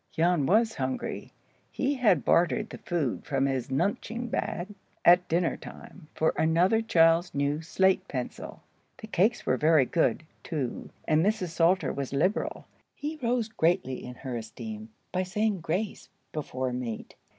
Jan was hungry. He had bartered the food from his "nunchin bag" at dinner time for another child's new slate pencil. The cakes were very good, too, and Mrs. Salter was liberal. He rose greatly in her esteem by saying grace before meat.